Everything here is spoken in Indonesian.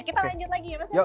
kita lanjut lagi ya mas ya